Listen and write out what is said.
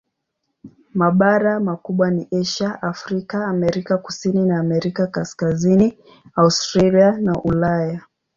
Mabara makubwa ni Asia, Afrika, Amerika Kusini na Amerika Kaskazini, Australia na Ulaya.